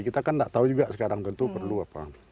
kita kan tidak tahu juga sekarang itu perlu apa